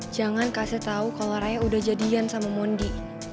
jangan kasih tahu kalau raya udah jadian sama mondi